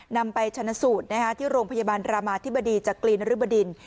นำไปชนะสูตรที่โรงพยาบาลรามาธิบดีจากกลีนรึบดิน